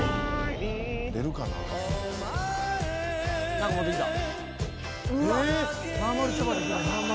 何か持ってきた。